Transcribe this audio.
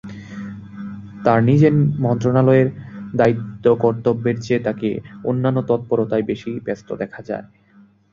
তাঁর নিজের মন্ত্রণালয়ের দায়িত্ব-কর্তব্যের চেয়ে তাঁকে অন্যান্য তৎপরতায় বেশি ব্যস্ত দেখা যায়।